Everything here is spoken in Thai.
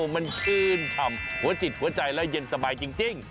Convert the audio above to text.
มันชื่นชำหัวจิตหัวใจและเย็นสบายจริง